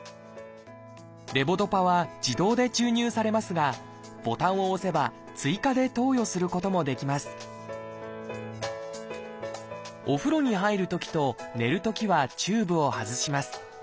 レボドパは自動で注入されますがボタンを押せば追加で投与することもできますお風呂に入るときと寝るときはチューブを外します。